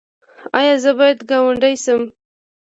ایا زه باید ګاونډی شم؟